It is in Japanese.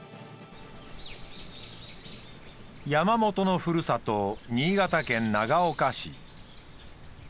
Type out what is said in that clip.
山本のふるさと新潟県長岡市。